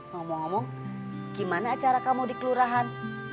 ngomong ngomong gimana cara kamu di kelurahan